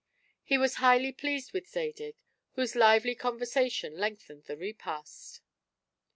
He was highly pleased with Zadig, whose lively conversation lengthened the repast.